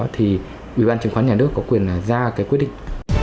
thì ủy ban trương khoán nhà nước có quyền ra cái quyết định